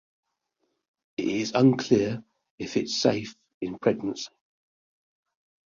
It is unclear if it is safe in pregnancy.